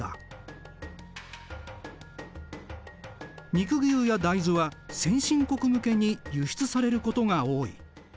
肉牛や大豆は先進国向けに輸出されることが多い。